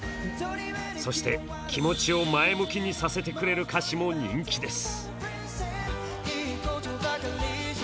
そして、気持ちを前向きにさせてくれる歌詞も人気です。